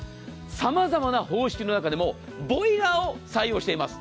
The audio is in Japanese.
様々な方式の中でもボイラーを採用しています。